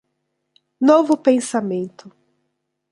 Novo pensamento